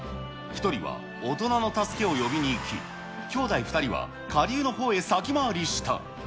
１人は大人の助けを呼びに行き、きょうだい２人は下流のほうへ先回りした。